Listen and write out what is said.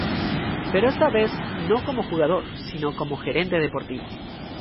Pero esta vez no como jugador, sino como Gerente Deportivo.